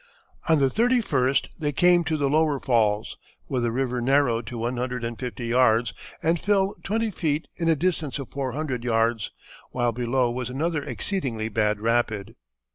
On the 31st they came to the lower falls, where the river narrowed to one hundred and fifty yards and fell twenty feet in a distance of four hundred yards, while below was another exceedingly bad rapid.